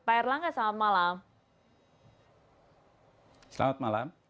pak erlangga selamat malam selamat malam